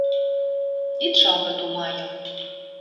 Ит шалгы тумайыл!..»